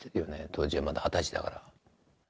当時はまだ二十歳だから。